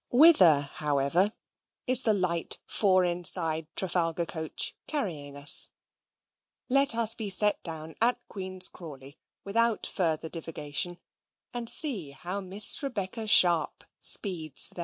Whither, however, is the light four inside Trafalgar coach carrying us? Let us be set down at Queen's Crawley without further divagation, and see how Miss Rebecca Sharp speeds there.